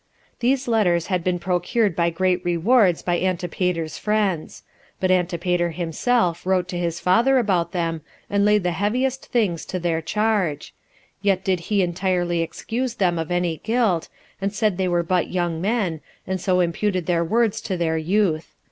These letters had been procured by great rewards by Antipater's friends; but Antipater himself wrote to his father about them, and laid the heaviest things to their charge; yet did he entirely excuse them of any guilt, and said they were but young men, and so imputed their words to their youth.